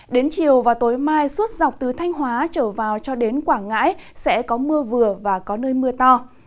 đến chiều và tối mai suốt dọc từ thanh hóa trở vào cho đến quảng ngãi sẽ có mưa vừa và có nơi mưa to